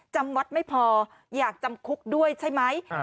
จำวัดไม่พออยากจำคุกด้วยใช่ไหม